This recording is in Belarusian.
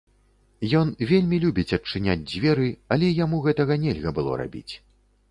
Ён вельмі любіць адчыняць дзверы, але яму гэтага нельга было рабіць.